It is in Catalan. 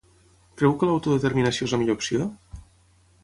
Creu que l'autodeterminació és la millor opció?